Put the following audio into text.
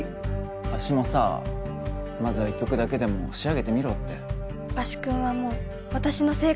バシもさまずは一曲だけでも仕上げてみろって。